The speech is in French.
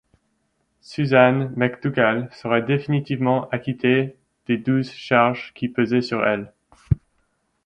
Susan McDougal sera définitivement acquittée des douze charges qui pesaient sur elle.